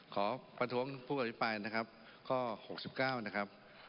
ขอประท้วงผู้อภิปรายนะครับข้อ๖๙นะครับ